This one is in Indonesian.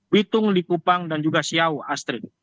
witung lipupang dan juga siau astri